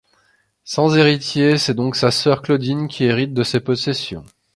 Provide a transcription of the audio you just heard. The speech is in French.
Sans héritier, c'est donc sa sœur Claudine qui hérite de ses possessions.